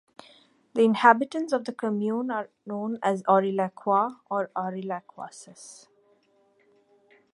The inhabitants of the commune are known as "Aurillacois" or "Aurillacoises".